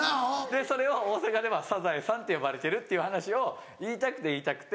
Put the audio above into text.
でそれを大阪ではサザエさんって呼ばれてるっていう話を言いたくて言いたくて。